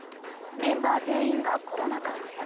メンバー全員がコロナ感染。